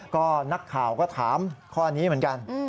ก็นักข่าวก็ถามข้อนี้เหมือนกัน